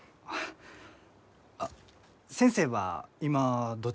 あっ先生は今どちらに？